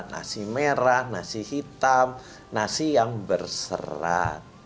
nasi merah nasi hitam nasi yang berserat